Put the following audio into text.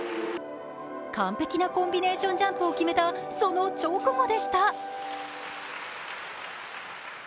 完璧なコンビネーションジャンプを決めた、その直後でした。